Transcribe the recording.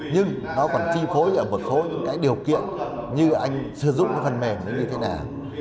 nhưng nó còn chi phối ở một số những điều kiện như anh sử dụng phần mềm như thế nào